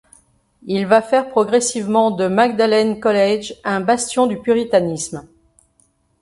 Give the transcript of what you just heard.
Il va faire progressivement de Magdalen College un bastion du puritanisme.